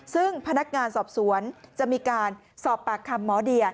ซึ่งพนักงานสอบสวนจะมีการสอบปากคำหมอเดีย